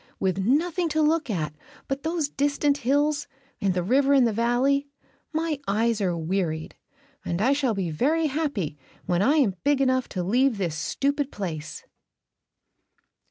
With nothing to look at but those distant hills and the river in the valley, my eyes are wearied; and I shall be very happy when I am big enough to leave this stupid place."